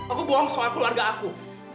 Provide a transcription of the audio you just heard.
aku bohong soal keluarga aku